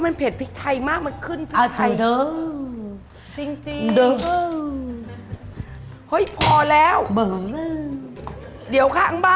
นี่อันนี้ด้วยค่ะ